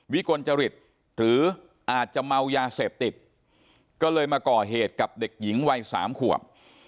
กลจริตหรืออาจจะเมายาเสพติดก็เลยมาก่อเหตุกับเด็กหญิงวัย๓ขวบ